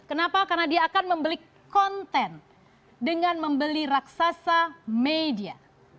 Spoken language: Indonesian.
kenapa karena dia akan membeli konten dengan membeli raksasa media